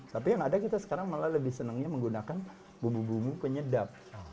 tapi yang ada kita sekarang malah lebih senangnya menggunakan bumbu bumbu penyedap